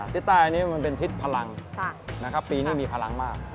ทิศใต้อันนี้มันเป็นทิศพลังนะครับปีนี้มีพลังมาก